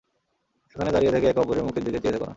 এখানে দাঁড়িয়ে থেকে একে অপরের মুখের দিকে চেয়ে থেক না।